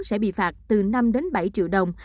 sẽ bị phạt từ năm bảy triệu đồng